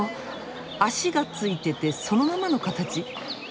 脚がついててそのままの形。